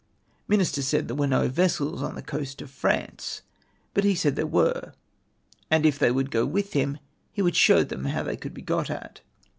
Ministers said there were no vessels on the coast of France, but he said there were ; and, if they would go with him, he would show them how they could be got at.